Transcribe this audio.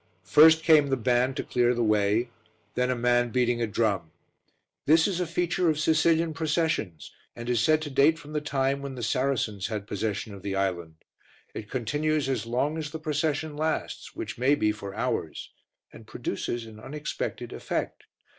First came the band to clear the way, then a man beating a drum; this is a feature of Sicilian processions and is said to date from the time when the Saracens had possession of the island; it continues as long as the procession lasts, which may be for hours, and produces an unexpected effect.